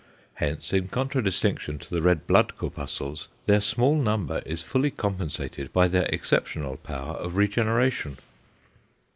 Hence in contradistinction to the red blood corpuscles, their small number is fully compensated by their exceptional power of regeneration.